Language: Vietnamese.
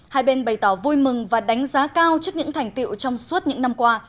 hai bên bày tỏ vui mừng và đánh giá cao trước những thành tiệu trong suốt những năm qua